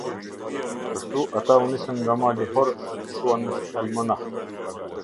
Kështu ata u nisën nga mali Hor dhe fushuan në Tsalmonah.